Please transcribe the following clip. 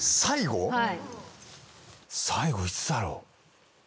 最後いつだろう。